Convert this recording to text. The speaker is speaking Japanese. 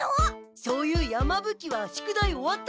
そういう山ぶ鬼は宿題終わったの？